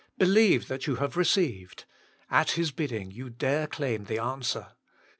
" Believe that you have received ": at His bidding you dare claim the answer.